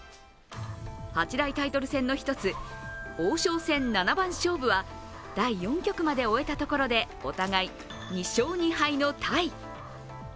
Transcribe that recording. ８大タイトル戦の一つ、王将戦七番勝負は第４局まで終えたところでお互い２勝２敗のタイ。